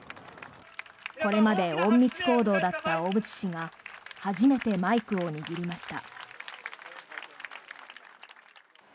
これまで隠密行動だった小渕氏が初めてマイクを握りました。